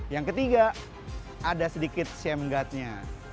yang ketiga ada sedikit shame guard nya